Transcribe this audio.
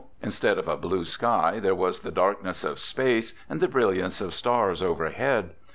Instead of a blue sky, there was the darkness of space and the brilliance of stars overhead.